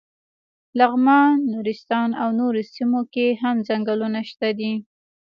لغمان، نورستان او نورو سیمو کې هم څنګلونه شته دي.